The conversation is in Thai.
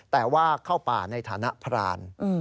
แต่ว่าเข้าป่าในฐานะพราน